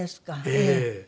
ええ。